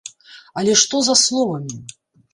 Але што за словамі?